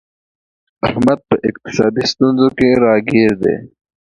احمد په اقتصادي ستونزو کې راگیر دی